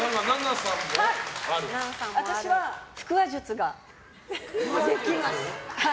私は腹話術ができます。